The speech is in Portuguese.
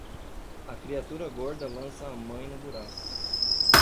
A criatura gorda lança a mãe no buraco.